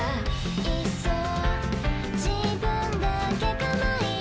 いっそ自分だけ構い